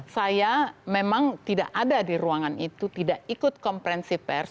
saya memang tidak ada di ruangan itu tidak ikut konferensi pers